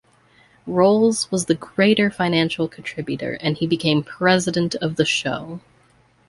Rolls was the greater financial contributor and he became President of the show.